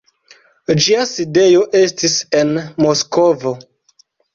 Ĝia sidejo estis en Moskvo.